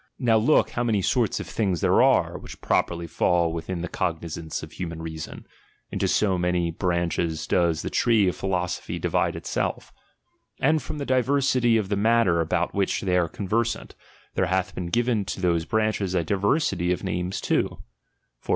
Now look, how many sorts of things there are, which properly fall within the cognizance of human reason ; into so many branches does the tree of philosophy divide itself. Ajid from the diversity of the matter about which they are conversant, there hath been given to those branches a diversity of names too. For IV THE EPISTLE DEDICATORY.